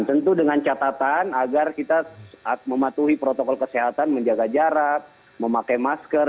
dan tentu dengan catatan agar kita mematuhi protokol kesehatan menjaga jarak memakai masker